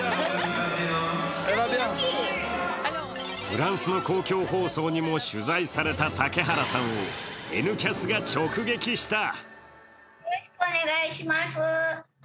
フランスの公共放送にも取材された竹原さんを「Ｎキャス」が直撃した。